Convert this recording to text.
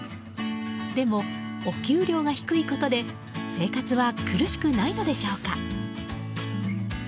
でも、お給料が低いことで生活は苦しくないのでしょうか。